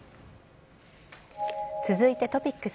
続いてトピックス。